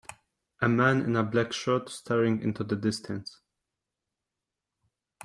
A man in a black shirt staring into the distance.